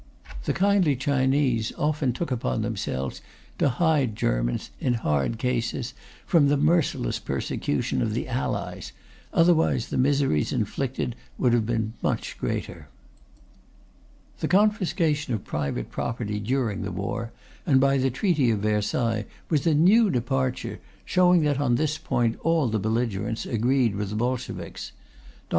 The kindly Chinese often took upon themselves to hide Germans, in hard cases, from the merciless persecution of the Allies; otherwise, the miseries inflicted would have been much greater. The confiscation of private property during the war and by the Treaty of Versailles was a new departure, showing that on this point all the belligerents agreed with the Bolsheviks. Dr.